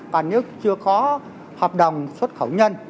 còn nếu chưa có hợp đồng xuất khẩu nhân